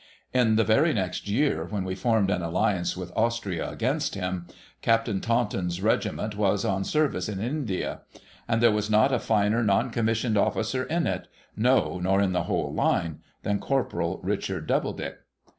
In the very next year, when we formed an alliance with Austria against him. Captain Taunton's regiment was on service in India, And there was not a finer non commissioned officer in it, — no, nor in the whole line — than Corporal Richard Doubledick.